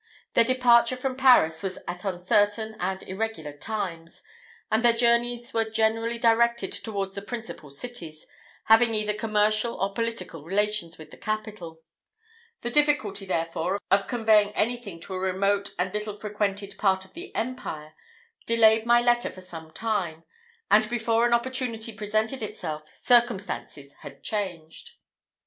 Their departure from Paris was at uncertain and irregular times; and their journeys were generally directed towards the principal cities, having either commercial or political relations with the capital. The difficulty, therefore, of conveying anything to a remote and little frequented part of the empire delayed my letter for some time; and before an opportunity presented itself, circumstances had changed.